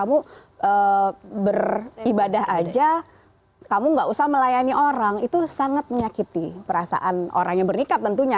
aja kamu enggak usah melayani orang itu sangat menyakiti perasaan orang yang bernikah tentunya